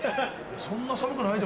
そんな寒くないと。